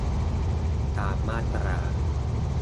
ตามมาตรา